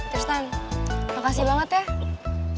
terus tan makasih banget ya